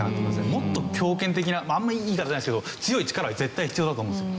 もっと強権的なあんまいい言い方じゃないですけど強い力は絶対必要だと思うんですよ。